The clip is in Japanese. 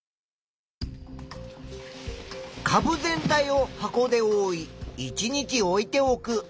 かぶ全体を箱でおおい１日置いておく。